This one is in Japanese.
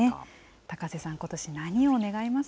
高瀬さん、ことし、何を願います